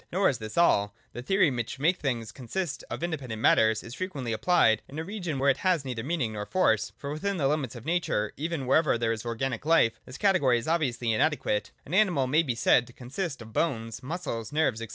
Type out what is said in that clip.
Nor is this all. The theory, which makes things consist of independent matters, is frequently apphed in a region where it has neither meaning nor force. For within the limits of nature even, wherever there is organic life, this category is obviously inadequate. An animal may be said to consist of bones, muscles, nerves, &c.